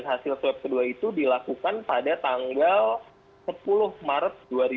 hasil swab kedua itu dilakukan pada tanggal sepuluh maret dua ribu dua puluh